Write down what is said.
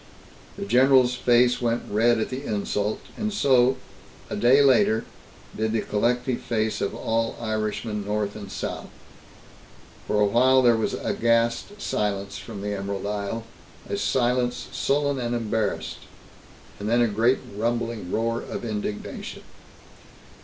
The general's face went red at the insult, and so, a day later, did the collective face of all Irishmen, North and South. For a while there was aghast silence from the Emerald Isle, a silence sullen and embarrassed. And then a great rumbling roar of indignation.